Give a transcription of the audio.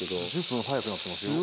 １０分早くなってますね。